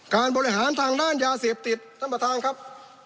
บริหารทางด้านยาเสพติดท่านประธานครับ